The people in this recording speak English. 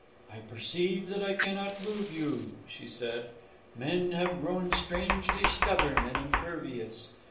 "I perceive that I cannot move you," she said. "Men have grown strangely stubborn and impervious.